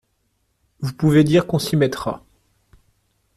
Vous pouvez dire qu’on s’y mettra.